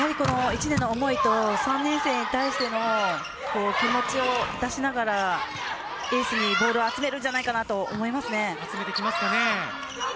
１年の思いと３年生に対しての気持ちを出しながらエースにボールを集めるんじゃないかと思います。